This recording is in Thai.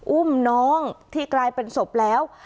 อุ้มน้องที่กลายเป็นศพแล้ว